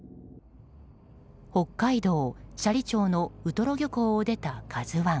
北海道斜里町のウトロ漁港を出た「ＫＡＺＵ１」。